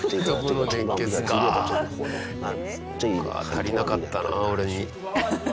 足りなかったな俺に。